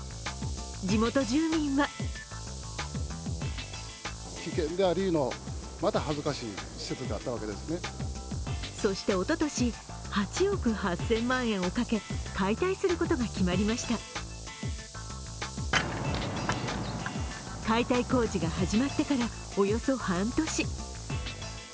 地元住民はそして、おととし、８億８０００万円をかけ、解体することが決まりました解体工事が始まってからおよそ半年。